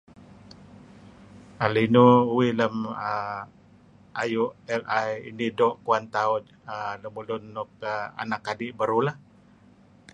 Linuh uih ayu' lem AI idih doo' kuwan tauh nuk anak adi' beruh lah